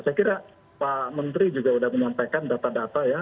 saya kira pak menteri juga sudah menyampaikan data data ya